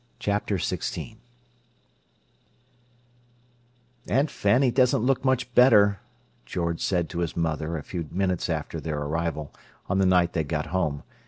Chapter XVI "Aunt Fanny doesn't look much better," George said to his mother, a few minutes after their arrival, on the night they got home.